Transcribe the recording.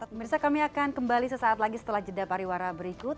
pemirsa kami akan kembali sesaat lagi setelah jeda pariwara berikut